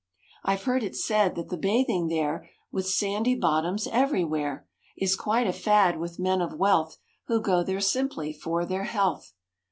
I've heard it said that the bathing there, With sandy bottoms everywhere, Is quite a fad with men of wealth, Who go there simply for their health."